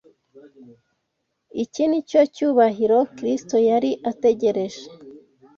Iki ni cyo cyubahiro Kristo yari ategereje